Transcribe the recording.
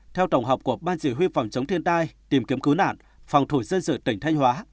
theo tổng hợp của ban chỉ huy phòng chống thiên tai tìm kiếm cứu nạn phòng thủ dân sự tỉnh thanh hóa